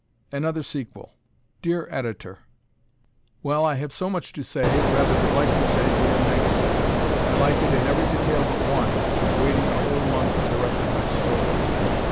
Another Sequel Dear Editor: Well, I have so much to say, or rather would like to say for your magazine. I like it in every detail but one, which is waiting a whole month for the rest of my stories.